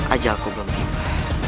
ajalku belum tiba